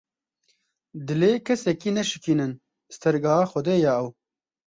Dilê kesekî neşikînin, sitargeha Xwedê ye ew.